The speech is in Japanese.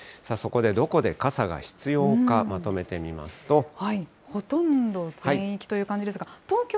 そこでどこで傘が必要か、まとめほとんど全域という感じです